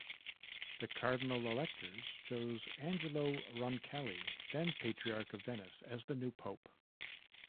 The cardinal electors chose Angelo Roncalli, then Patriarch of Venice, as the new pope.